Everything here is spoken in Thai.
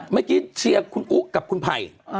เมื่อกี้เชียร์คุณอุ้กับคุณไพร